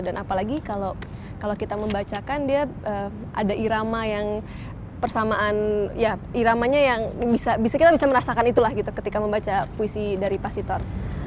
dan apalagi kalau kita membacakan dia ada irama yang persamaan ya iramanya yang bisa kita merasakan itulah gitu ketika membaca puisi dari pak sitor